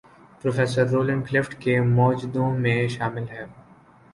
Professor Roland Clift کے موجدوں میں شامل ہیں۔